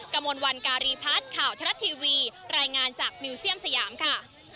กระมวลวันการีพัฒน์ข่าวทรัฐทีวีรายงานจากมิวเซียมสยามค่ะ